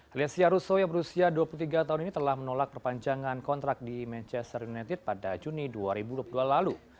grecia russo yang berusia dua puluh tiga tahun ini telah menolak perpanjangan kontrak di manchester united pada juni dua ribu dua puluh dua lalu